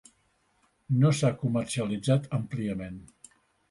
No s'ha comercialitzat àmpliament.